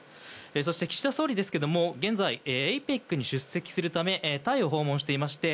そして岸田総理ですが現在、ＡＰＥＣに出席するためタイを訪問していまして